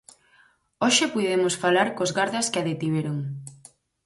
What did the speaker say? Hoxe puidemos falar cos gardas que a detiveron.